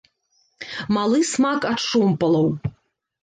Малы смак ад шомпалаў.